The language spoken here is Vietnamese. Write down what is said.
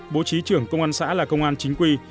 bố trí trưởng công an xã là công an chính quy